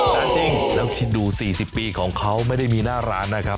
จริงแล้วคิดดู๔๐ปีของเขาไม่ได้มีหน้าร้านนะครับ